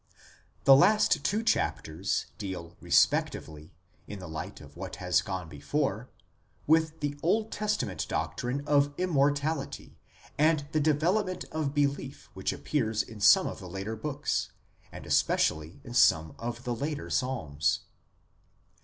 The last two chapters deal respectively, in the light of what has gone before, with the Old Testament doctrine of Immortality, and the Development of Belief which appears in some of the later books, and especially in some of the later Psalms.